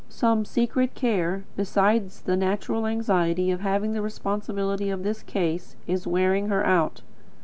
Some secret care, besides the natural anxiety of having the responsibility of this case, is wearing her out.